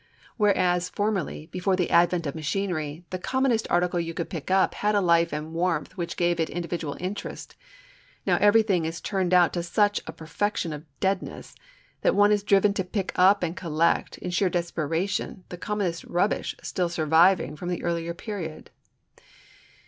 Whereas formerly, before the advent of machinery, the commonest article you could pick up had a life and warmth which gave it individual interest, now everything is turned out to such a perfection of deadness that one is driven to pick up and collect, in sheer desperation, the commonest rubbish still surviving from the earlier period.